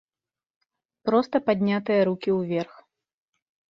Проста паднятыя рукі ўверх.